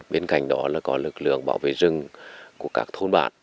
bên cạnh đó là có lực lượng bảo vệ rừng của các thôn bản